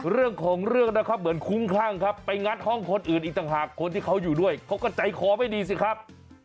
เรื่องของเรื่องนะครับเหมือนคุ้มคลั่งครับไปงัดห้องคนอื่นอีกต่างหากคนที่เขาอยู่ด้วยเขาก็ใจคอไม่ดีสิครับ